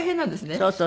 そうそう。